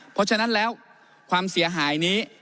เพราะฉะนั้นแล้วความเสียหายนี้